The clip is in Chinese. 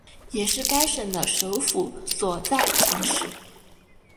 也是该省的首府所在城市。